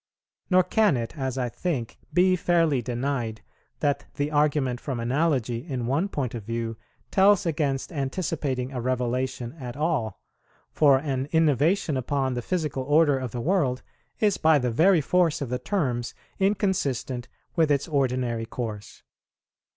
Nor can it, as I think, be fairly denied that the argument from analogy in one point of view tells against anticipating a revelation at all, for an innovation upon the physical order of the world is by the very force of the terms inconsistent with its ordinary course.